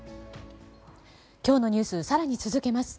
今日のニュース更に続けます。